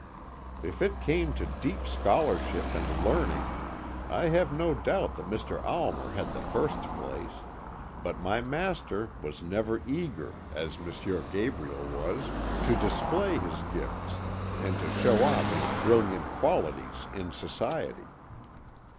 If it came to deep scholarship and learning I have no doubt that Mr. Almer held the first place, but my master was never eager, as M. Gabriel was, to display his gifts, and to show off his brilliant qualities in society.